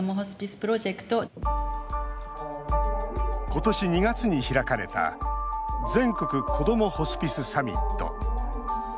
ことし２月に開かれた全国こどもホスピスサミット。